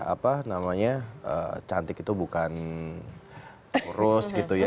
apa namanya cantik itu bukan urus gitu ya